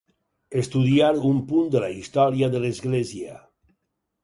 Estudiar un punt de la història de l'Església.